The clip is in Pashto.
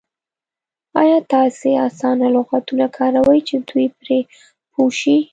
ایا تاسې اسانه لغتونه کاروئ چې دوی پرې پوه شي؟